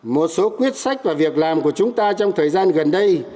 một số quyết sách và việc làm của chúng ta trong thời gian gần đây